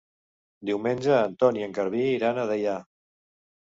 Diumenge en Ton i en Garbí iran a Deià.